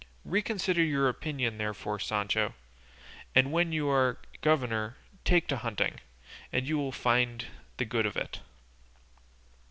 Reconsider your opinion therefore, Sancho, and when you are governor take to hunting, and you will find the good of it."